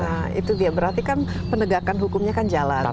nah itu dia berarti kan penegakan hukumnya kan jalan